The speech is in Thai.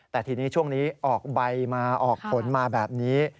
แต่ทีนี้ช่วงนี้ออกใบมาออกผลมาแบบนี้